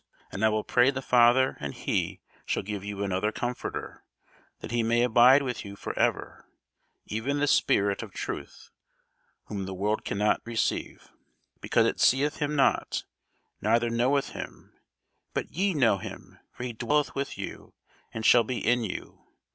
And I will pray the Father, and he shall give you another Comforter, that he may abide with you for ever; even the Spirit of truth; whom the world cannot receive, because it seeth him not, neither knoweth him: but ye know him; for he dwelleth with you, and shall be in you.